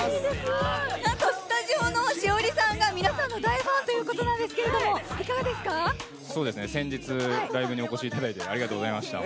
スタジオの栞里さんが皆さんの大ファンということなんですけど先日、ライブにお越しいただいてありがとうございました。